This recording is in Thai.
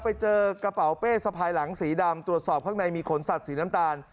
ไปเจอกระเป๋าเป้สะพายหลังสีดำตรวจสอบข้างในมีขนสัตว์สีน้ำตาล